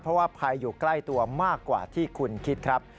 เพราะว่าภัยอยู่ใกล้ตัวมากกว่าที่คุณคิดครับ